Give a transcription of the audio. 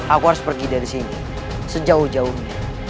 aku harus pergi dari sini sejauh jauh ini